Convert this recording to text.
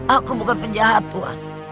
aku bukan penjahat tuhan